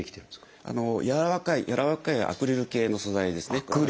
やわらかいアクリル系の素材ですね。